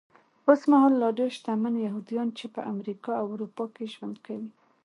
اوسمهال لا ډېر شتمن یهوديان چې په امریکا او اروپا کې ژوند کوي.